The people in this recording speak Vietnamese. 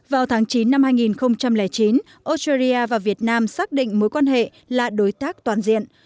vào tháng chín năm hai nghìn chín australia và việt nam xác định mối quan hệ là đối tác toàn diện